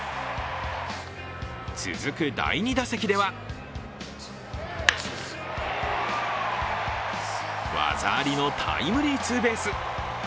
続く第２打席では技ありのタイムリーツーベース。